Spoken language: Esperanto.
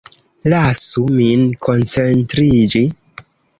Lasu min koncentriĝi.